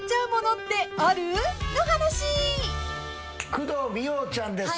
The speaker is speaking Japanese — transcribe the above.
工藤美桜ちゃんです。